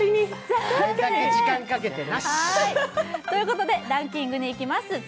ということで、ランキングにいきます。